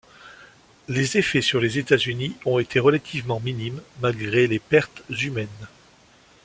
Les effets sur les États-Unis ont été relativement minimes malgré les pertes humaines.